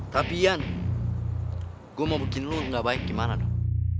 tapi yan gue mau bikin lo gak baik gimana dong